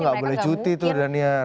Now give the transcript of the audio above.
itu gak boleh cuti tuh danier